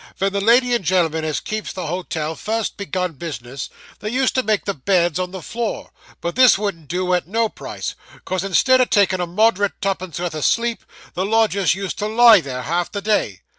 'Ven the lady and gen'l'm'n as keeps the hot el first begun business, they used to make the beds on the floor; but this wouldn't do at no price, 'cos instead o' taking a moderate twopenn'orth o' sleep, the lodgers used to lie there half the day.